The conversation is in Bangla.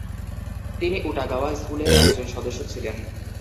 তিনি উটাগাওয়া স্কুলের একজন সদস্য ছিলেন।